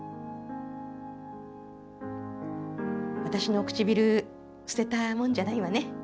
私のくちびる捨てたもんじゃないわね。